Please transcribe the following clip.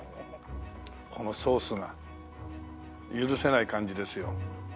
このソースが許せない感じですよ。